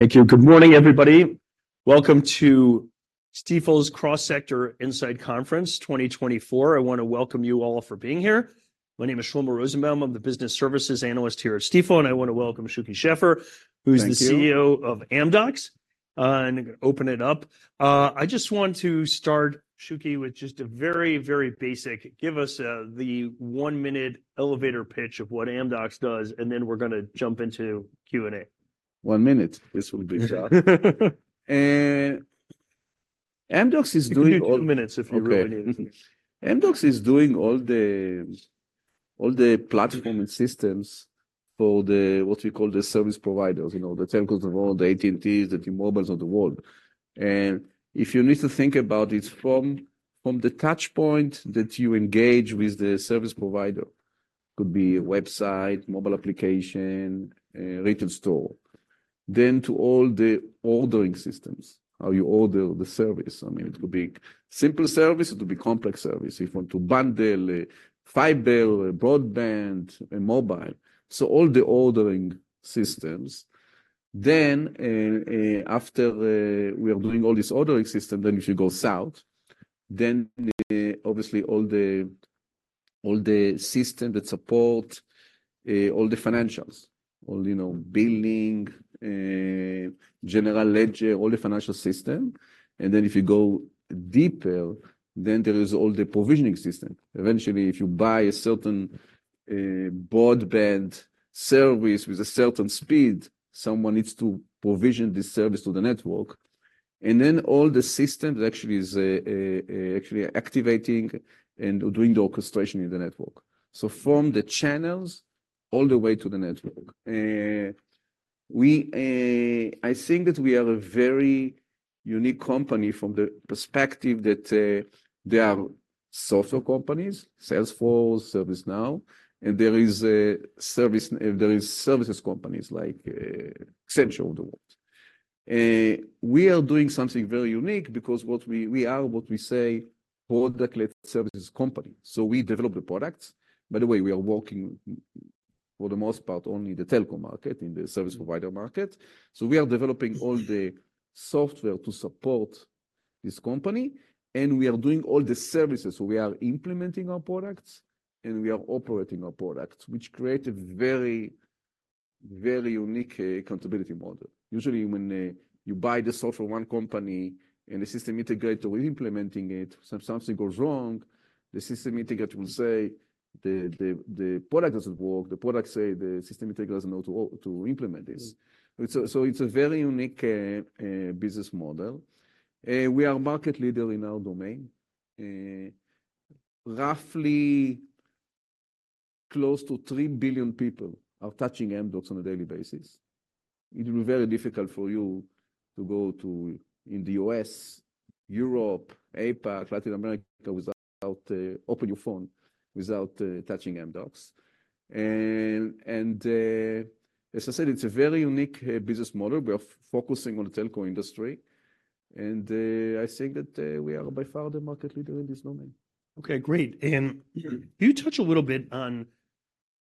Thank you. Good morning, everybody. Welcome to Stifel's Cross Sector Insight Conference 2024. I wanna welcome you all for being here. My name is Shlomo Rosenbaum. I'm the Business Services Analyst here at Stifel, and I wanna welcome Shuky Sheffer, who is- Thank you.... the CEO of Amdocs, and open it up. I just want to start, Shuky, with just a very, very basic, give us the one-minute elevator pitch of what Amdocs does, and then we're gonna jump into Q&A. One minute? This will be short. Amdocs is doing all- You can do two minutes if you really need to. Okay. Amdocs is doing all the platform and systems for the what we call the service providers, you know, the telcos of the world, the AT&Ts, the T-Mobiles of the world. And if you need to think about it, from the touchpoint that you engage with the service provider, could be a website, mobile application, a retail store, then to all the ordering systems, how you order the service. I mean, it could be simple service, it could be complex service, if you want to bundle fiber, broadband, and mobile. So all the ordering systems. Then, after we are doing all this ordering system, then if you go south, then obviously, all the system that support all the financials, all, you know, billing, general ledger, all the financial system. Then if you go deeper, then there is all the provisioning system. Eventually, if you buy a certain broadband service with a certain speed, someone needs to provision this service to the network. And then all the system that actually is actually activating and doing the orchestration in the network. So from the channels all the way to the network. I think that we are a very unique company from the perspective that there are software companies, Salesforce, ServiceNow, and there is a service, there is services companies like Accenture of the world. We are doing something very unique because what we, we are what we say, product-led services company, so we develop the products. By the way, we are working, for the most part, only the telco market, in the service provider market. So we are developing all the software to support this company, and we are doing all the services. So we are implementing our products, and we are operating our products, which create a very, very unique accountability model. Usually, when you buy the software one company and the system integrator implementing it, if something goes wrong, the system integrator will say, "The product doesn't work." The product say, "The system integrator doesn't know to implement this." So it's a very unique business model. We are market leader in our domain. Roughly close to 3 billion people are touching Amdocs on a daily basis. It will be very difficult for you to go to, in the U.S., Europe, APAC, Latin America, without open your phone, without touching Amdocs. As I said, it's a very unique business model. We are focusing on the telco industry, and I think that we are by far the market leader in this domain. Okay, great. And can you touch a little bit on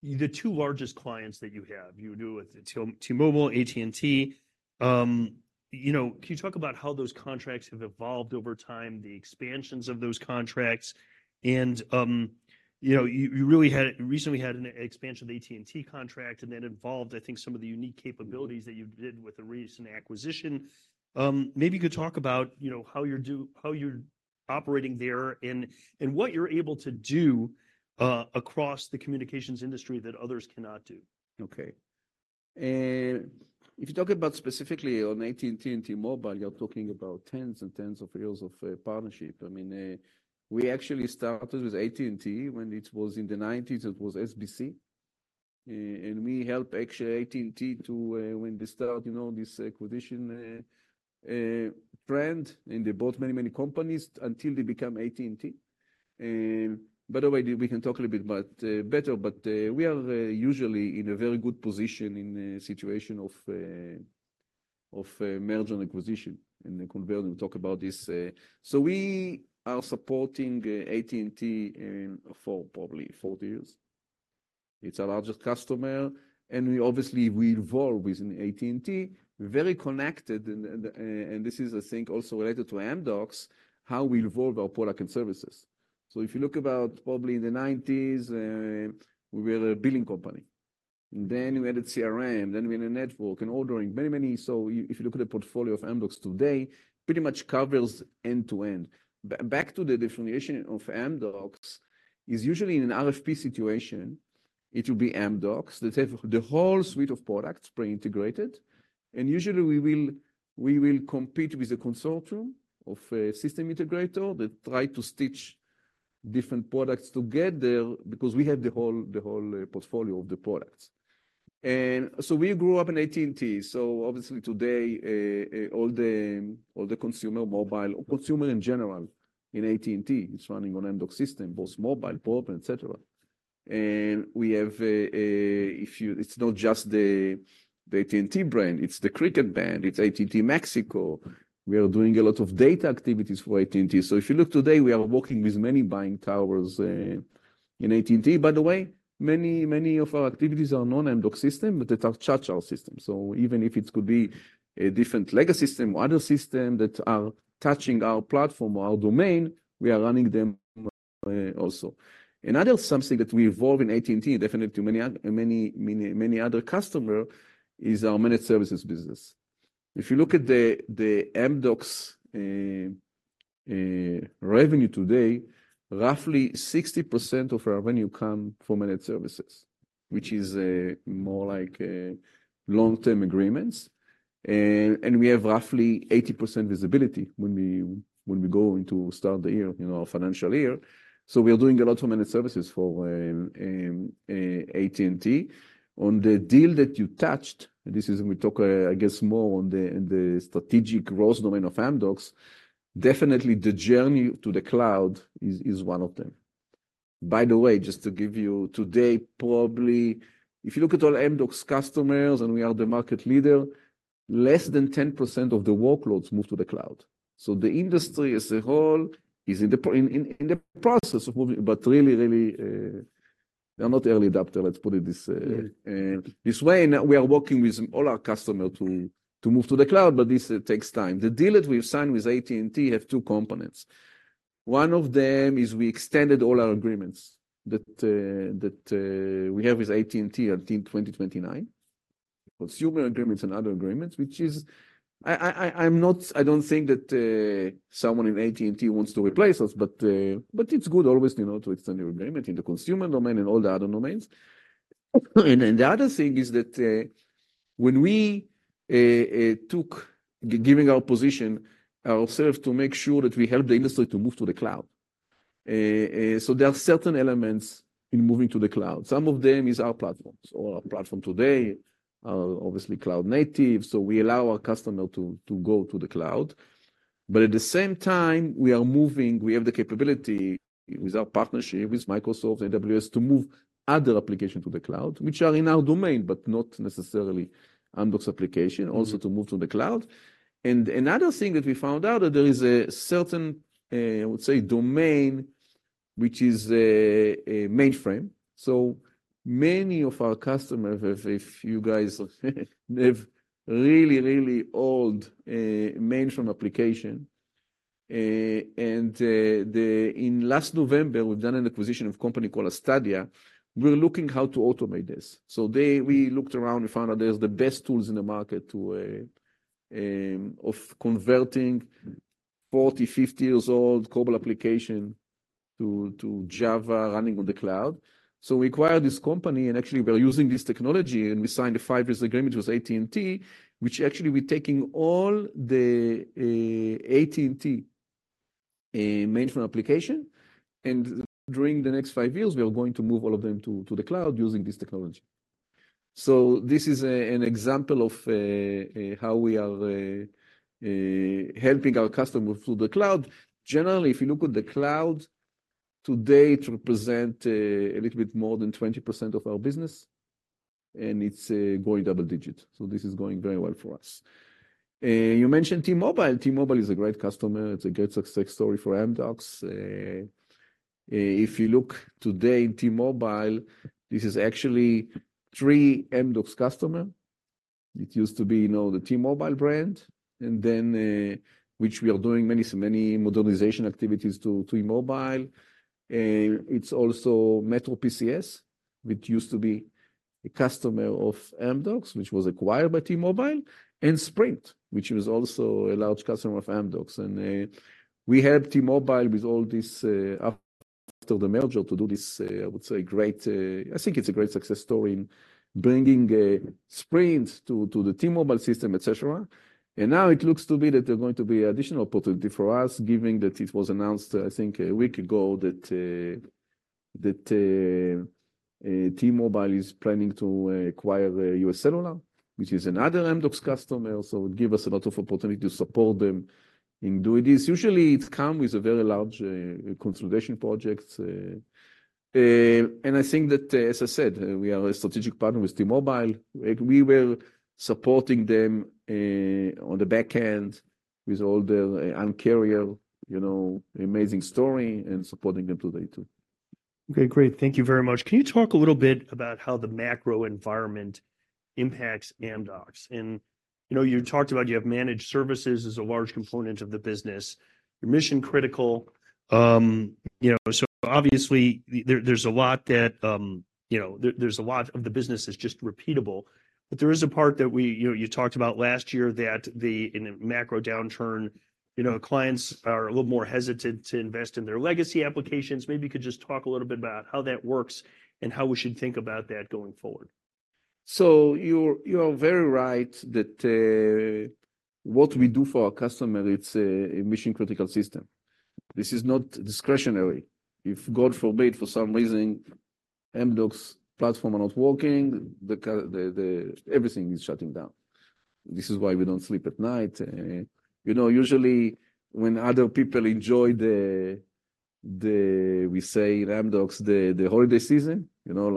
the two largest clients that you have? You do with T-Mobile, AT&T. You know, can you talk about how those contracts have evolved over time, the expansions of those contracts? And, you know, you really had recently had an expansion of AT&T contract, and that involved, I think, some of the unique capabilities that you did with the recent acquisition. Maybe you could talk about, you know, how you're operating there and what you're able to do across the communications industry that others cannot do. Okay. If you talk about specifically on AT&T and T-Mobile, you're talking about tens and tens of years of partnership. I mean, we actually started with AT&T when it was in the nineties. It was SBC. We helped actually AT&T to when they start, you know, this acquisition trend, and they bought many, many companies until they become AT&T. By the way, we can talk a little bit about that later, but we are usually in a very good position in a situation of merger and acquisition. In the conversation, we talk about this. So we are supporting AT&T for probably 40 years. It's our largest customer, and we obviously, we evolve within AT&T. We're very connected, and this is, I think, also related to Amdocs, how we evolve our product and services. So if you look about probably in the nineties, we were a billing company, then we added CRM, then we had a network and ordering, many, many. So if you look at the portfolio of Amdocs today, pretty much covers end-to-end. Back to the definition of Amdocs, is usually in an RFP situation, it will be Amdocs that have the whole suite of products pre-integrated. And usually, we will, we will compete with a consortium of a system integrator that try to stitch different products together because we have the whole, the whole portfolio of the products. And so we grew up in AT&T, so obviously today, all the, all the consumer, mobile, consumer in general in AT&T is running on Amdocs system, both mobile, broadband, et cetera. And we have, if you—it's not just the, the AT&T brand, it's the Cricket brand, it's AT&T Mexico. We are doing a lot of data activities for AT&T. So if you look today, we are working with many buying towers in AT&T. By the way, many, many of our activities are non-Amdocs system, but they touch our system. So even if it could be a different legacy system or other system that are touching our platform or our domain, we are running them also. Another something that we evolve in AT&T, definitely many, many, many other customer, is our managed services business. If you look at the Amdocs revenue today, roughly 60% of our revenue come from managed services, which is more like long-term agreements. And we have roughly 80% visibility when we go into start the year, you know, our financial year. So we are doing a lot of managed services for AT&T. On the deal that you touched, and this is when we talk, I guess, more on the strategic growth domain of Amdocs, definitely the journey to the cloud is one of them. By the way, just to give you, today, probably, if you look at all Amdocs customers, and we are the market leader, less than 10% of the workloads move to the cloud. So the industry as a whole is in the process of moving, but they are not early adopter, let's put it this way. We are working with all our customer to move to the cloud, but this takes time. The deal that we've signed with AT&T have two components. One of them is we extended all our agreements that we have with AT&T until 2029, consumer agreements and other agreements, which is... I'm not-- I don't think that someone in AT&T wants to replace us, but it's good always, you know, to extend your agreement in the consumer domain and all the other domains. And the other thing is that when we took giving our position ourselves to make sure that we help the industry to move to the cloud, so there are certain elements in moving to the cloud. Some of them is our platforms, or our platform today, obviously, cloud native, so we allow our customer to go to the cloud. But at the same time, we have the capability, with our partnership with Microsoft, AWS, to move other application to the cloud, which are in our domain, but not necessarily Amdocs application, also to move to the cloud. And another thing that we found out, that there is a certain, I would say, domain, which is a mainframe. So many of our customers, if you guys have really old mainframe application, and in last November, we've done an acquisition of company called Astadia. We're looking how to automate this. So we looked around, we found out there's the best tools in the market to of converting 40, 50 years old COBOL application to Java running on the cloud. So we acquired this company, and actually we're using this technology, and we signed a 5-year agreement with AT&T, which actually we're taking all the AT&T mainframe application, and during the next 5 years, we are going to move all of them to the cloud using this company. So this is an example of how we are helping our customer through the cloud. Generally, if you look at the cloud, today, it represent a little bit more than 20% of our business, and it's going double digit, so this is going very well for us. You mentioned T-Mobile. T-Mobile is a great customer. It's a great success story for Amdocs. If you look today in T-Mobile, this is actually three Amdocs customer. It used to be, you know, the T-Mobile brand, and then, which we are doing many, so many modernization activities to T-Mobile. It's also MetroPCS, which used to be a customer of Amdocs, which was acquired by T-Mobile, and Sprint, which was also a large customer of Amdocs. We helped T-Mobile with all this, after the merger to do this. I would say great. I think it's a great success story in bringing Sprint to the T-Mobile system, et cetera. And now it looks to be that there're going to be additional opportunity for us, given that it was announced, I think, a week ago, that that T-Mobile is planning to acquire UScellular, which is another Amdocs customer. So it give us a lot of opportunity to support them in doing this. Usually, it come with a very large consolidation projects. And I think that, as I said, we are a strategic partner with T-Mobile. We were supporting them on the back end with all the Un-carrier, you know, amazing story and supporting them today, too. Okay, great. Thank you very much. Can you talk a little bit about how the macro environment impacts Amdocs? And, you know, you talked about you have managed services as a large component of the business. You're mission-critical, you know, so obviously, there's a lot of the business is just repeatable. But there is a part that we, you know, you talked about last year that the, in a macro downturn, you know, clients are a little more hesitant to invest in their legacy applications. Maybe you could just talk a little bit about how that works and how we should think about that going forward. So you're very right that what we do for our customer, it's a mission-critical system. This is not discretionary. If God forbid for some reason Amdocs platform are not working, everything is shutting down... this is why we don't sleep at night. You know, usually when other people enjoy the we say Amdocs the holiday season, you know,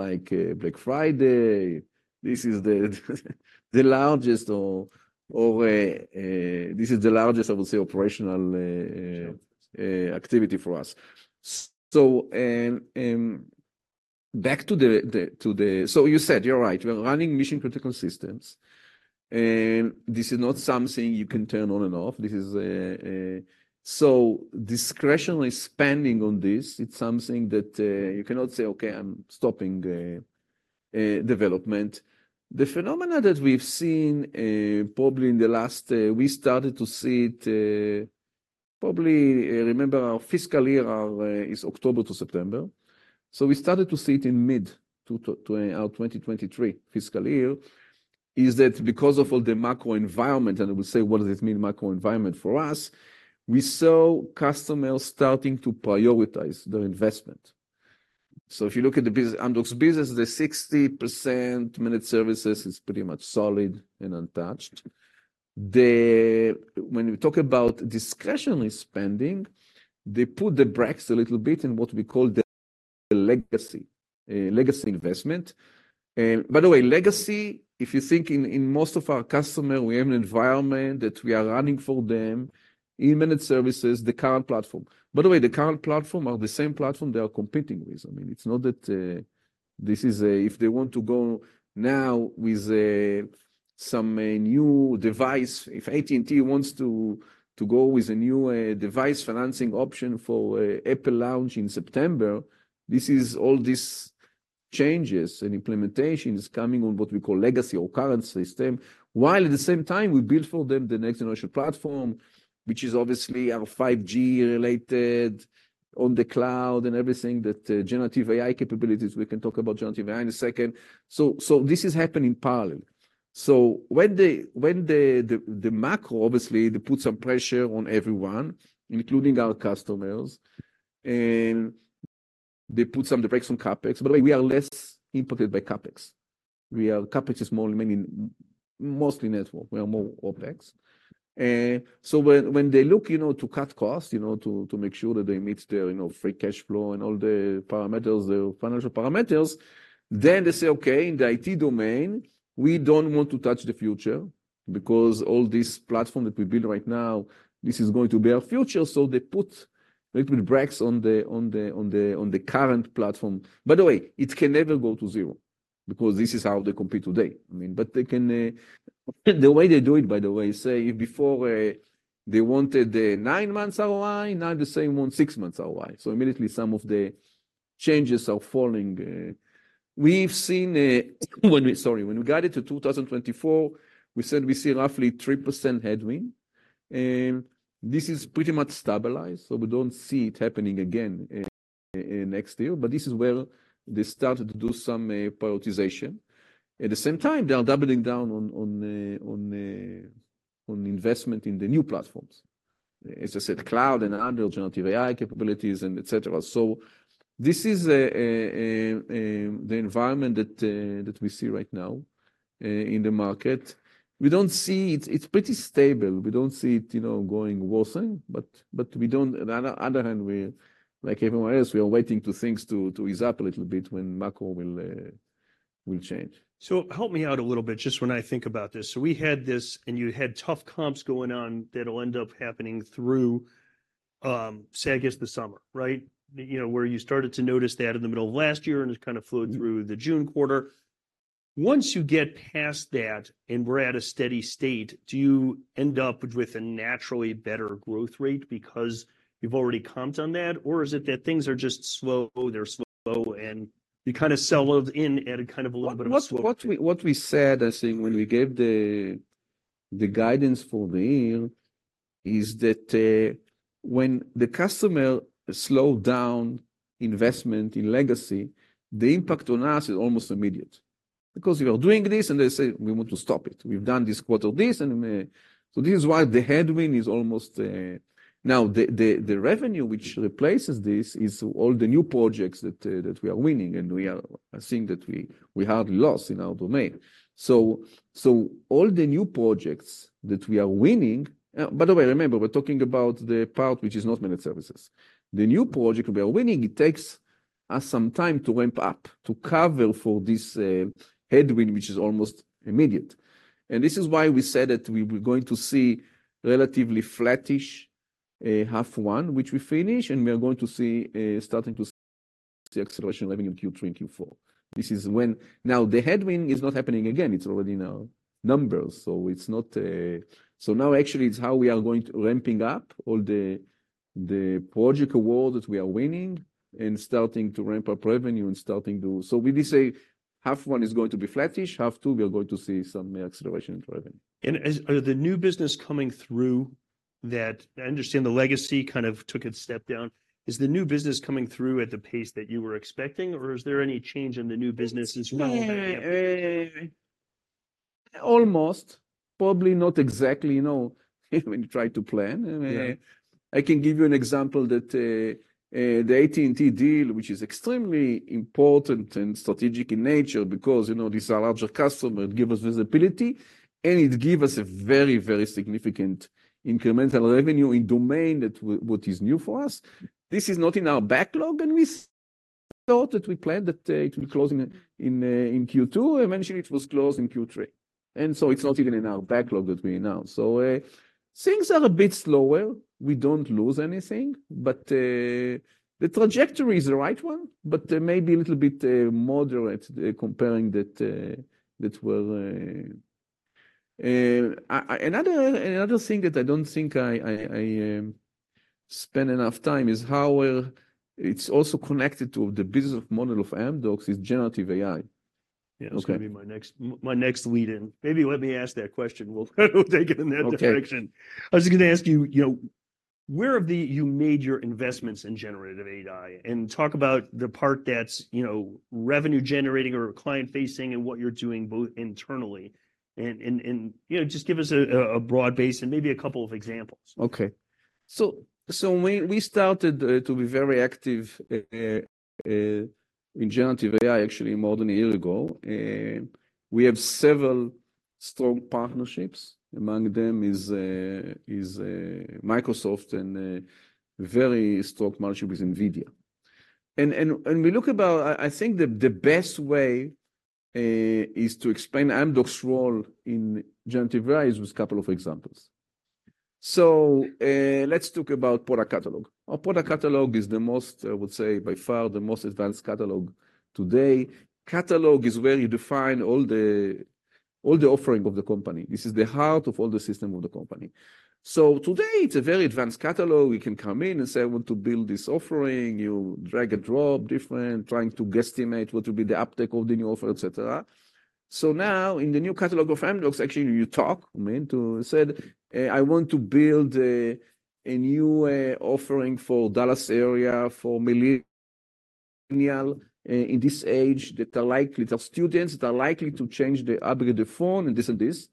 like Black Friday, this is the largest I would say operational activity for us. So back to the So you said you're right we're running mission-critical systems, and this is not something you can turn on and off. This is so discretionary spending on this, it's something that you cannot say, "Okay, I'm stopping development." The phenomena that we've seen probably in the last, we started to see it probably. Remember, our fiscal year is October to September. So we started to see it in mid 2020, our 2023 fiscal year, is that because of all the macro environment, and I will say, what does it mean, macro environment for us? We saw customers starting to prioritize their investment. So if you look at the business, Amdocs business, the 60% managed services is pretty much solid and untouched. When we talk about discretionary spending, they put the brakes a little bit in what we call the legacy investment. By the way, legacy, if you think in most of our customer, we have an environment that we are running for them, in managed services, the current platform. By the way, the current platform are the same platform they are competing with. I mean, it's not that, this is a... If they want to go now with some new device, if AT&T wants to go with a new device financing option for Apple launch in September, this is all these changes and implementations coming on what we call legacy or current system. While at the same time, we build for them the next generation platform, which is obviously our 5G related, on the cloud and everything, that generative AI capabilities. We can talk about generative AI in a second. So this is happening in parallel. So when the macro, obviously, they put some pressure on everyone, including our customers, and they put the brakes on CapEx. By the way, we are less impacted by CapEx. CapEx is more mainly, mostly network. We are more OpEx. So when they look, you know, to cut costs, you know, to make sure that they meet their, you know, free cash flow and all the parameters, the financial parameters, then they say, "Okay, in the IT domain, we don't want to touch the future, because all this platform that we build right now, this is going to be our future." So they put little brakes on the current platform. By the way, it can never go to zero because this is how they compete today. I mean, but they can, the way they do it, by the way, say, if before, they wanted, 9 months ROI, now the same one, 6 months ROI, so immediately some of the changes are falling. We've seen, Sorry, when we got it to 2024, we said we see roughly 3% headwind, and this is pretty much stabilized, so we don't see it happening again, next year. But this is where they started to do some prioritization. At the same time, they are doubling down on investment in the new platforms, as I said, cloud and other generative AI capabilities and et cetera. So this is the environment that we see right now in the market. We don't see it. It's pretty stable. We don't see it, you know, getting worse, but we don't. On the other hand, we, like everyone else, are waiting for things to ease up a little bit when the macro will change. So help me out a little bit, just when I think about this. So we had this, and you had tough comps going on that'll end up happening through, say, I guess, the summer, right? You know, where you started to notice that in the middle of last year, and it kind of flowed through the June quarter. Once you get past that, and we're at a steady state, do you end up with a naturally better growth rate because you've already comped on that? Or is it that things are just slow, they're slow, and you kind of settle in at a kind of a little bit of slow? What we said, I think, when we gave the guidance for the year, is that when the customer slowed down investment in legacy, the impact on us is almost immediate. Because we are doing this, and they say, "We want to stop it. We've done this quarter this, and..." So this is why the headwind is almost... Now, the revenue which replaces this is all the new projects that we are winning, and we are seeing that we had loss in our domain. So all the new projects that we are winning. By the way, remember, we're talking about the part which is not managed services. The new project we are winning, it takes us some time to ramp up, to cover for this, headwind, which is almost immediate, and this is why we said that we were going to see relatively flattish, half one, which we finish, and we are going to see, starting to see acceleration revenue in Q3 and Q4. This is when... Now, the headwind is not happening again, it's already in our numbers, so it's not... So now, actually, it's how we are going to ramping up all the, the project award that we are winning and starting to ramp up revenue and starting to... So we did say half one is going to be flattish, half two, we are going to see some acceleration in revenue. As the new business coming through that, I understand the legacy kind of took a step down. Is the new business coming through at the pace that you were expecting, or is there any change in the new business as well?... Almost, probably not exactly, you know, when you try to plan. Yeah. I can give you an example that, the AT&T deal, which is extremely important and strategic in nature because, you know, these are larger customer, give us visibility, and it give us a very, very significant incremental revenue in domain that what is new for us. This is not in our backlog, and we thought that we planned that, it will close in, in Q2. Eventually, it was closed in Q3, and so it's not even in our backlog with me now. So, things are a bit slower. We don't lose anything, but, the trajectory is the right one, but maybe a little bit, moderate, comparing that, that will... Another thing that I don't think I spend enough time is how it's also connected to the business model of Amdocs is generative AI. Yeah. Okay. This'll be my next lead in. Maybe let me ask that question. We'll take it in that direction. Okay. I was just gonna ask you, you know, where have you made your investments in generative AI? And talk about the part that's, you know, revenue generating or client-facing, and what you're doing both internally and, you know, just give us a broad base and maybe a couple of examples. Okay. We started to be very active in generative AI actually more than a year ago. We have several strong partnerships. Among them is Microsoft and very strong partnership with NVIDIA. And I think the best way is to explain Amdocs' role in generative AI is with couple of examples. So, let's talk about product catalog. Our product catalog is the most, I would say, by far, the most advanced catalog today. Catalog is where you define all the offering of the company. This is the heart of all the system of the company. So today, it's a very advanced catalog. We can come in and say, "I want to build this offering." You drag and drop different, trying to guesstimate what will be the uptake of the new offer, et cetera. So now, in the new catalog of Amdocs, actually, you talk, I mean, you say, "I want to build a new offering for Dallas area, for millennial in this age, that are likely the students, that are likely to change their, upgrade their phone," and this and this.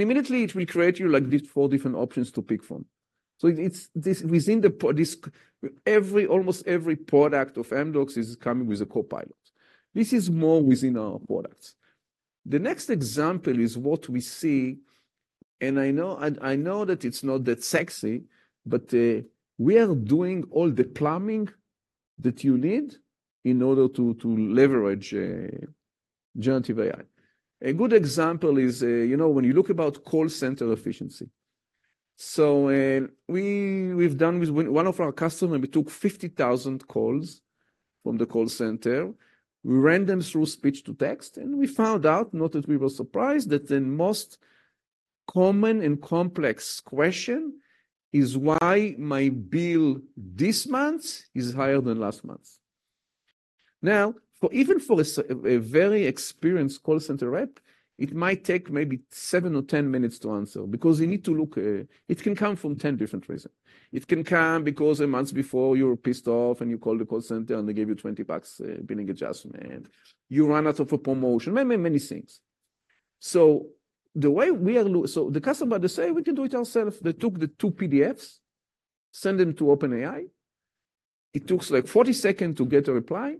Immediately, it will create you, like, these four different options to pick from. So it's this within this every almost every product of Amdocs is coming with a Copilot. This is more within our products. The next example is what we see, and I know, and I know that it's not that sexy, but, we are doing all the plumbing that you need in order to to leverage generative AI. A good example is, you know, when you look about call center efficiency, so, we, we've done with one of our customer, we took 50,000 calls from the call center. We ran them through speech-to-text, and we found out, not that we were surprised, that the most common and complex question is, "Why my bill this month is higher than last month?" Now, for even a very experienced call center rep, it might take maybe 7 or 10 minutes to answer because you need to look... It can come from 10 different reason. It can come because a month before, you were pissed off, and you called the call center, and they gave you $20 billing adjustment, and you run out of a promotion. Many, many things. So the way we are, so the customer, they say, "We can do it ourself." They took the two PDFs, send them to OpenAI. It takes, like, 40 seconds to get a reply,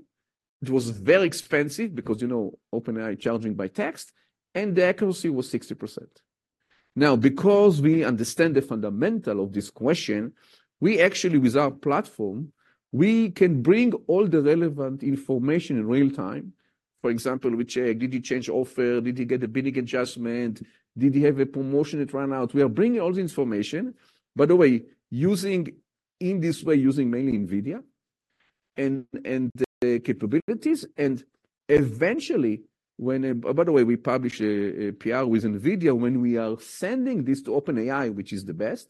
which was very expensive because, you know, OpenAI charging by text, and the accuracy was 60%. Now, because we understand the fundamental of this question, we actually, with our platform, we can bring all the relevant information in real time. For example, we check, did you change offer? Did you get a billing adjustment? Did you have a promotion that ran out? We are bringing all the information, by the way, using, in this way, using mainly NVIDIA and the capabilities, and eventually, when... By the way, we publish a PR with NVIDIA. When we are sending this to OpenAI, which is the best,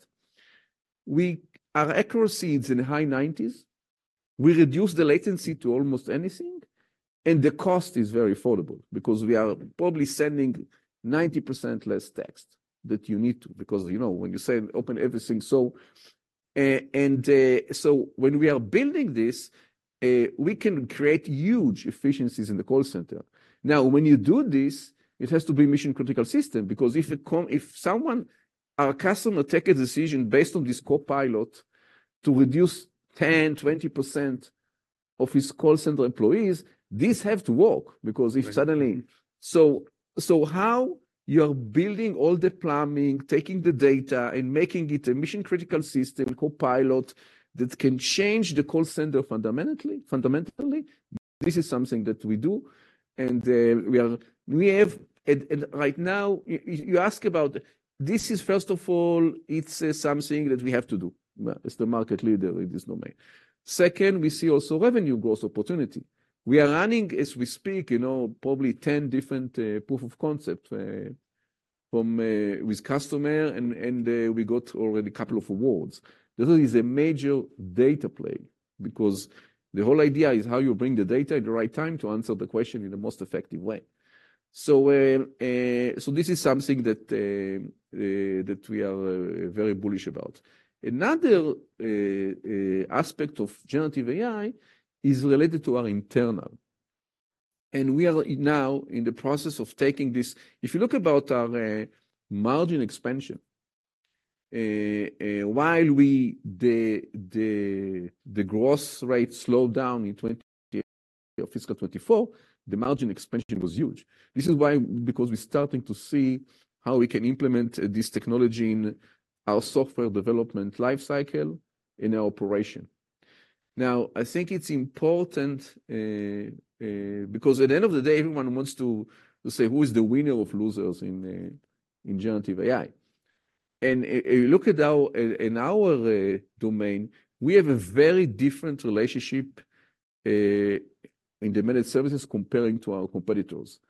we, our accuracy is in high 90s. We reduce the latency to almost anything, and the cost is very affordable because we are probably sending 90% less text that you need to, because, you know, when you send OpenAI everything, so, and, so when we are building this, we can create huge efficiencies in the call center. Now, when you do this, it has to be mission-critical system because if someone, a customer, take a decision based on this copilot to reduce 10%-20% of his call center employees, this have to work because if suddenly- Right. So, how you're building all the plumbing, taking the data, and making it a mission-critical system, Copilot, that can change the call center fundamentally. This is something that we do, and we have, and right now, you ask about. This is, first of all, it's something that we have to do, as the market leader in this domain. Second, we see also revenue growth opportunity. We are running, as we speak, you know, probably 10 different proof of concept with customer, and we got already couple of awards. This is a major data play because the whole idea is how you bring the data at the right time to answer the question in the most effective way. So, this is something that we are very bullish about. Another aspect of generative AI is related to our internal... and we are now in the process of taking this. If you look about our margin expansion, while the gross rate slowed down in fiscal 2024, the margin expansion was huge. This is why, because we're starting to see how we can implement this technology in our software development life cycle, in our operation. Now, I think it's important, because at the end of the day, everyone wants to say, who is the winner of losers in generative AI? And if you look at in our domain, we have a very different relationship in the managed services comparing to our competitors.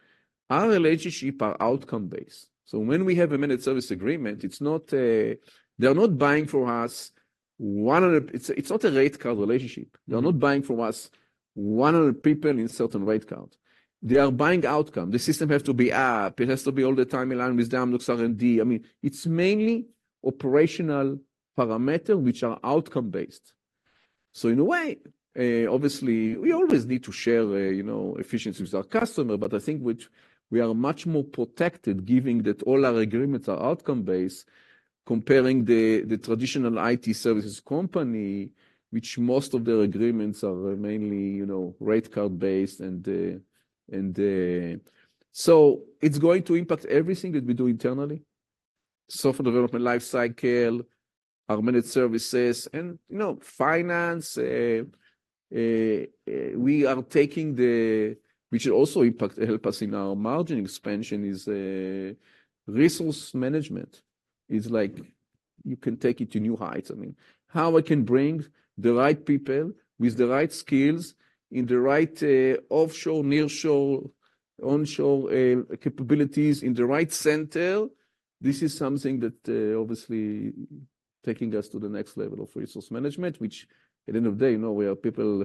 Our relationship are outcome-based, so when we have a managed service agreement, it's not a... They're not buying from us. It's not a rate card relationship. They're not buying from us 100 people in certain rate card. They are buying outcome. The system has to be up. It has to be all the time in line with down R&D. I mean, it's mainly operational parameter, which are outcome-based. So in a way, obviously, we always need to share, you know, efficiency with our customer, but I think which we are much more protected, giving that all our agreements are outcome-based, comparing the traditional IT services company, which most of their agreements are mainly, you know, rate card-based, and... So it's going to impact everything that we do internally, software development lifecycle, our managed services, and, you know, finance. We are taking the, which also impact, help us in our margin expansion, is, resource management. Is like, you can take it to new heights. I mean, how I can bring the right people with the right skills in the right, offshore, nearshore, onshore, capabilities in the right center, this is something that, obviously taking us to the next level of resource management, which, at the end of the day, you know, we are people,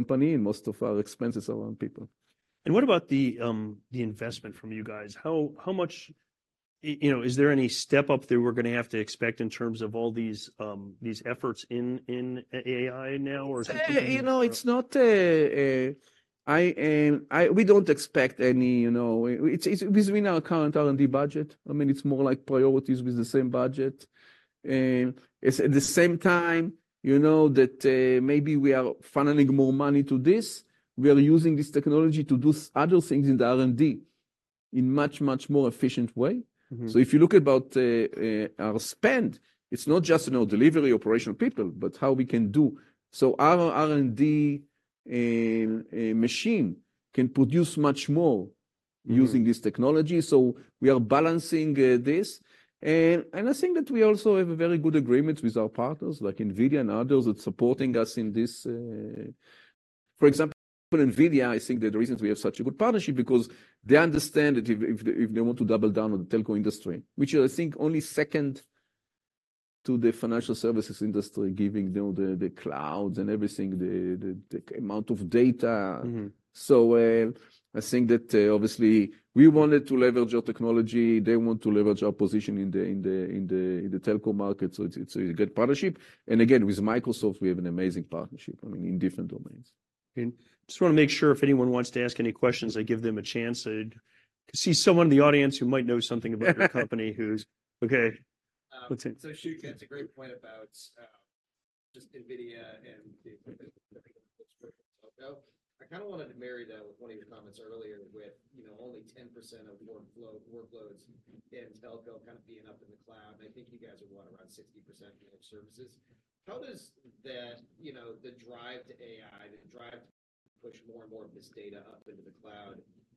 company, and most of our expenses are on people. And what about the investment from you guys? How much, you know, is there any step up that we're going to have to expect in terms of all these efforts in AI now, or is it- You know, it's not an AI, and we don't expect any, you know. It's within our current R&D budget. I mean, it's more like priorities with the same budget. It's at the same time, you know, that maybe we are funneling more money to this, we are using this technology to do other things in the R&D in much more efficient way. Mm-hmm. So if you look about our spend, it's not just, you know, delivery, operational people, but how we can do. So our R&D machine can produce much more- Mm. using this technology, so we are balancing this. And I think that we also have a very good agreement with our partners, like NVIDIA and others, that supporting us in this. For example, NVIDIA, I think that the reason we have such a good partnership because they understand that if they want to double down on the telco industry, which I think only second to the financial services industry, giving them the amount of data. Mm-hmm. So, I think that, obviously, we wanted to leverage our technology. They want to leverage our position in the telco market. So it's a good partnership. And again, with Microsoft, we have an amazing partnership, I mean, in different domains. Just want to make sure if anyone wants to ask any questions, I give them a chance to see someone in the audience who might know something about your company. Okay, let's see. Shuky, that's a great point about just NVIDIA and the... I kind of wanted to marry that with one of your comments earlier with, you know, only 10% of workflow, workloads in telco kind of being up in the cloud. I think you guys are, what? Around 60% managed services. How does that, you know, the drive to AI, the drive to push more and more of this data up into the cloud,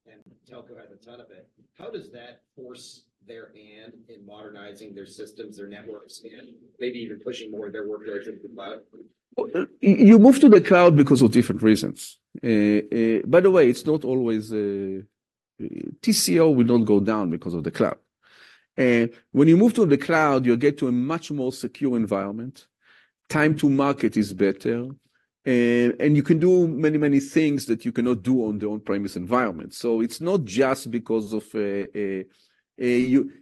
and telco has a ton of it, how does that force their hand in modernizing their systems, their networks, and maybe even pushing more of their workloads into the cloud? Well, you move to the cloud because of different reasons. By the way, it's not always TCO will not go down because of the cloud. When you move to the cloud, you get to a much more secure environment, time to market is better, and you can do many, many things that you cannot do on the on-premise environment. So it's not just because of and you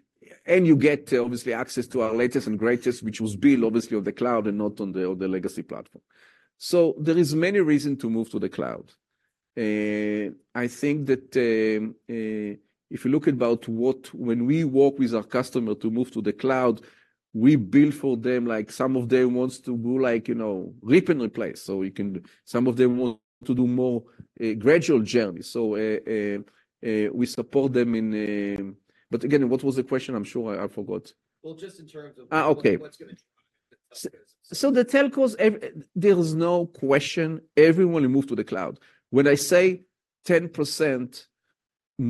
get, obviously, access to our latest and greatest, which was built obviously on the cloud and not on the legacy platform. So there is many reason to move to the cloud. I think that if you look about when we work with our customer to move to the cloud, we build for them, like some of them wants to go, like, you know, rip and replace, so we can... Some of them want to do more gradual journey. So, we support them in... But again, what was the question? I'm sure I, I forgot. Well, just in terms of- Uh, okay. -what's gonna... So the telcos, there is no question everyone will move to the cloud. When I say 10%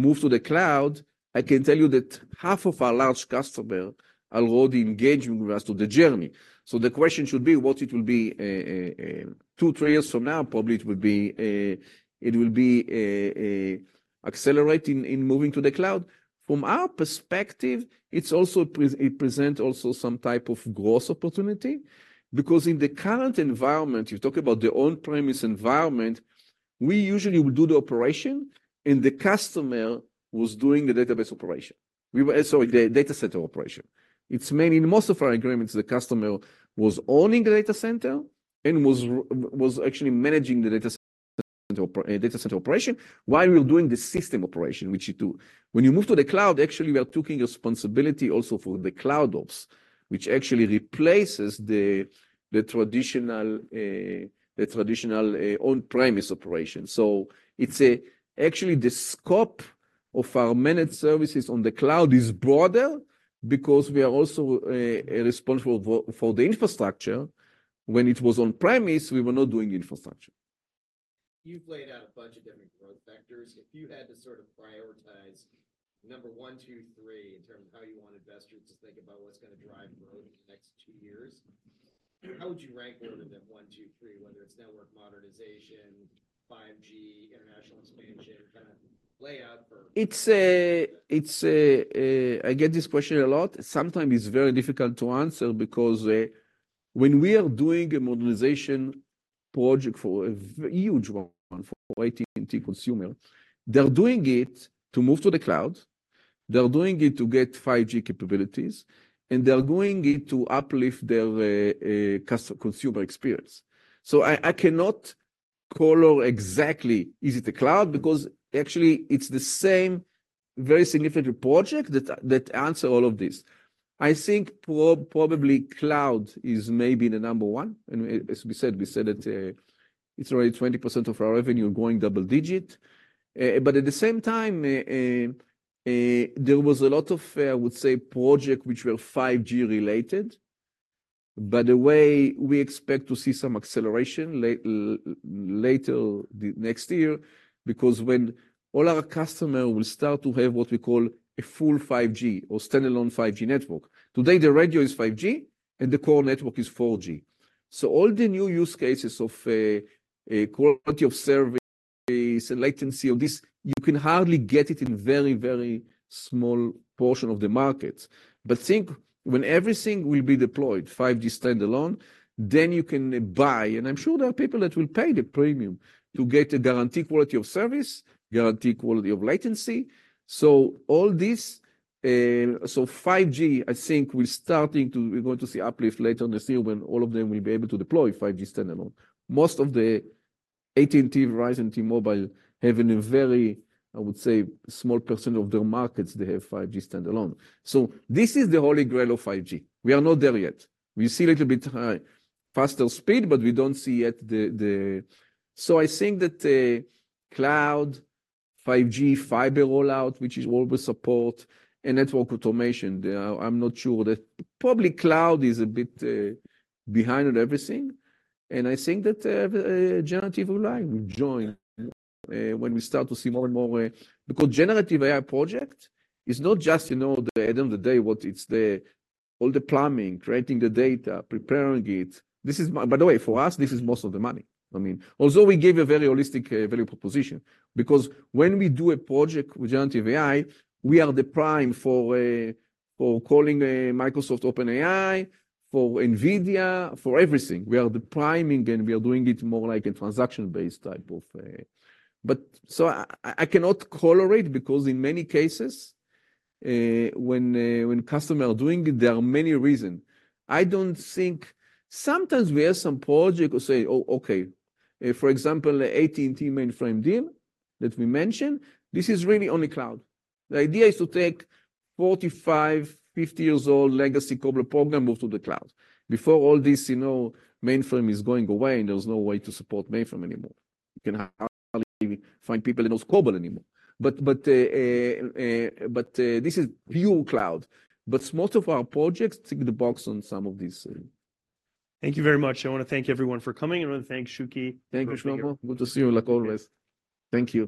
move to the cloud, I can tell you that half of our large customer are already engaging with us to the journey. So the question should be, what it will be, 2-3 years from now? Probably, it will be a accelerating in moving to the cloud. From our perspective, it's also present also some type of growth opportunity, because in the current environment, you talk about the on-premise environment, we usually will do the operation, and the customer was doing the database operation.... we were, sorry, the data center operation. It's mainly, in most of our agreements, the customer was owning the data center and was actually managing the data center operation, while we were doing the system operation, which you do. When you move to the cloud, actually, we are taking responsibility also for the cloud ops, which actually replaces the traditional on-premise operation. So it's actually the scope of our managed services on the cloud is broader because we are also responsible for the infrastructure. When it was on premise, we were not doing the infrastructure. You've laid out a bunch of different growth vectors. If you had to sort of prioritize number one, two, three, in terms of how you want investors to think about what's going to drive growth in the next two years, how would you rank order them, one, two, three, whether it's network modernization, 5G, international expansion, kind of layout for- It's a, it's a, I get this question a lot. Sometimes it's very difficult to answer because, when we are doing a modernization project for a huge one, for AT&T Consumer, they're doing it to move to the cloud, they're doing it to get 5G capabilities, and they're doing it to uplift their consumer experience. So I, I cannot call out exactly, is it the cloud? Because actually it's the same very significant project that, that answer all of this. I think probably cloud is maybe the number one, and as we said, we said that, it's already 20% of our revenue going double digit. But at the same time, there was a lot of, I would say, project which were 5G related. By the way, we expect to see some acceleration later next year, because when all our customer will start to have what we call a full 5G or standalone 5G network, today, the radio is 5G and the core network is 4G. So all the new use cases of a quality of service, latency of this, you can hardly get it in very, very small portion of the market. But think, when everything will be deployed, 5G standalone, then you can buy, and I'm sure there are people that will pay the premium to get a guaranteed quality of service, guaranteed quality of latency. So all this. So 5G, I think we're starting to, we're going to see uplift later this year when all of them will be able to deploy 5G standalone. Most of the AT&T, Verizon, T-Mobile, having a very, I would say, small percentage of their markets, they have 5G standalone. So this is the Holy Grail of 5G. We are not there yet. We see a little bit faster speed, but we don't see yet, so I think that cloud, 5G, fiber rollout, which is all with support and network automation, I'm not sure. That probably cloud is a bit behind on everything, and I think that generative AI will join when we start to see more and more, because generative AI project is not just, you know, the end of the day, what, it's the, all the plumbing, creating the data, preparing it. This is my, by the way, for us, this is most of the money. I mean, although we give a very holistic, value proposition, because when we do a project with generative AI, we are the prime for, for calling a Microsoft OpenAI, for NVIDIA, for everything. We are the priming, and we are doing it more like a transaction-based type of... But so I, I cannot correlate because in many cases, when, when customer are doing it, there are many reason. I don't think, sometimes we have some project or say, "Oh, okay." For example, the AT&T mainframe deal that we mentioned, this is really only cloud. The idea is to take 45, 50 years old legacy COBOL program move to the cloud. Before all this, you know, mainframe is going away, and there was no way to support mainframe anymore. You can hardly find people who knows COBOL anymore. But, this is pure cloud, but most of our projects tick the box on some of these, Thank you very much. I want to thank everyone for coming, and I want to thank Shuky. Thank you, Shlomo. Good to see you, like always. Thank you.